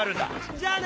じゃあね！